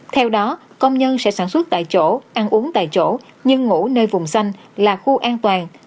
theo đó công nhân sẽ sản xuất tại chỗ ăn uống tại chỗ nhưng ngủ nơi vùng xanh là khu an toàn